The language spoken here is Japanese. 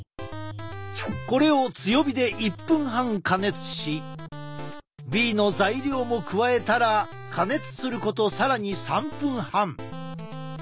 これを強火で１分半加熱しＢの材料も加えたら加熱すること更に３分半。